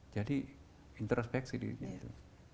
jadi introspeksi diri gitu